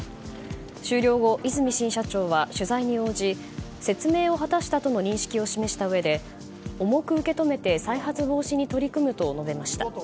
終了後和泉新社長は取材に応じ説明を果たしたとの認識を示したうえで重く受け止めて再発防止に取り組むと述べました。